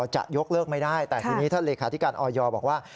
จะยกเลิกไม่ได้แต่ทีนี้ท่านเลขาธิการออยบอกว่า